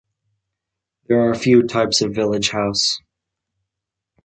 There are few types of village house.